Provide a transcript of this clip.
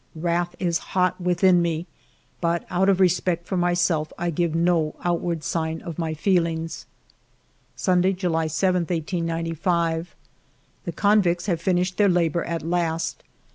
Wrath is hot within me, but out of respect for myself I give no outward sign of my feelings. Sunday^ July 7, 1895. The convicts have finished their labor at last.